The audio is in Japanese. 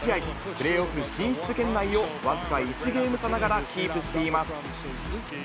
プレーオフ進出圏内を、僅か１ゲーム差ながらキープしています。